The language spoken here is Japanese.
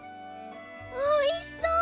おいしそう！